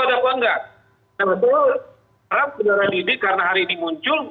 harap benar didi karena hari ini muncul